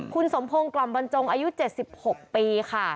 คุณสมพงศ์กล่อมบรรจงอายุ๗๖ปีค่ะ